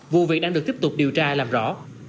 vụ việc đang được tiếp tục điều tra làm rõ